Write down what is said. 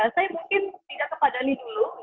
saya mungkin tidak kepada ini dulu